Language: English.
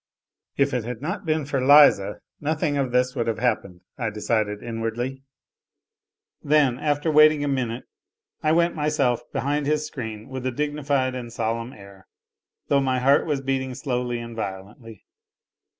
"If it had not been for Liza nothing of this would have happened," I decided inwardly. Then, after waiting a minute, I went myself behind his screen with a dignified and solemn air, though my heart was beating slowly and violently.